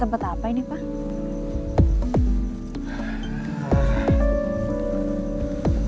tempat apa ini pak